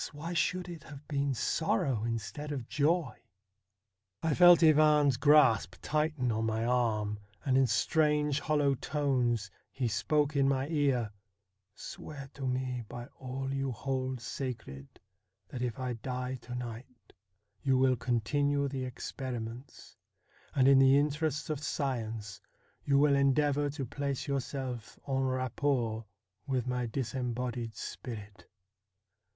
why should it have been sorrow instead of joy ? THE BLUE STAR 35 I felt Ivan's grasp tighten on my arm, and in strange, hollow tones he spoke in my ear :' Swear to me by all you hold sacred that if I die to night you will continue the experiments, and in the interests of science you will endeavour to place yourself en rapport with my disembodied spirit.'